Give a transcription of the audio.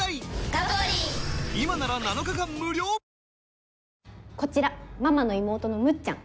サントリーこちらママの妹のむっちゃん。